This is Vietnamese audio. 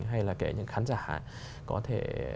hay là những khán giả có thể